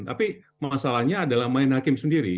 tapi masalahnya adalah main hakim sendiri